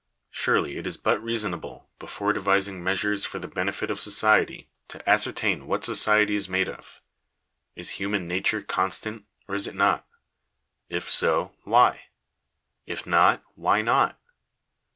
Surely it is but reasonable, before devising measures for the benefit of society, to ascertain what society is made of. Is human nature constant, or is it not ? If so, why ? If not, why not